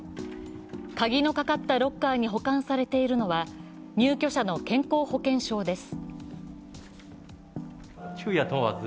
鍵のかかったロッカーに保管されているのは、入居者の健康保険証です。